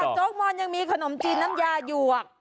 โจ๊กมอนยังมีขนมจีนน้ำยาหยวก